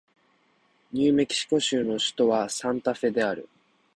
ニューメキシコ州の州都はサンタフェである